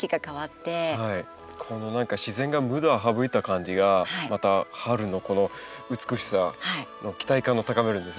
何か自然が無駄を省いた感じがまた春のこの美しさの期待感を高めるんですよね。